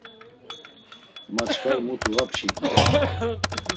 Ma çkar mutu va pşigni.